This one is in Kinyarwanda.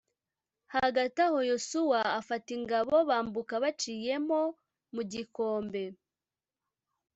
hagati aho yosuwa afata ingabo bambuka baciyemo mu gikombe